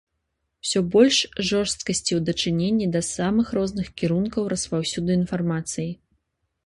Усё больш жорсткасці ў дачыненні да самых розных кірункаў распаўсюду інфармацыі.